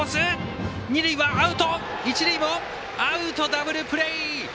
ダブルプレー！